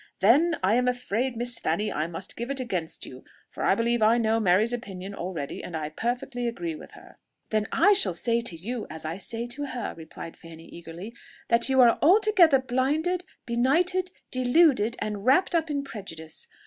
"Then I am afraid, Miss Fanny, I must give it against you; for I believe I know Mary's opinion already, and I perfectly agree with her." "Then I shall say to you, as I say to her," replied Fanny, eagerly "that you are altogether blinded, benighted, deluded, and wrapt up in prejudice!